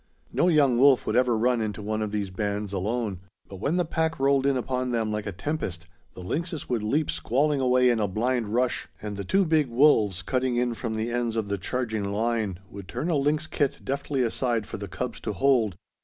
No young wolf would ever run into one of these bands alone; but when the pack rolled in upon them like a tempest the lynxes would leap squalling away in a blind rush; and the two big wolves, cutting in from the ends of the charging line, would turn a lynx kit deftly aside for the cubs to hold.